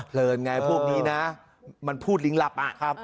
เพลินไงพวกนี้นะมันพูดลิ้งหลับอ่ะครับ